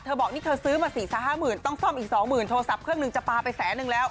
บอกนี่เธอซื้อมา๔๕๐๐๐ต้องซ่อมอีก๒๐๐๐โทรศัพท์เครื่องหนึ่งจะปลาไปแสนนึงแล้ว